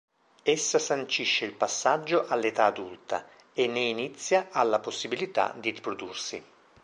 Essa sancisce il passaggio all'età adulta e ne inizia alla possibilità di riprodursi.